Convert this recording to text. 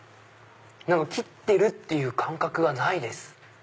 切ってるっていう感覚はないです。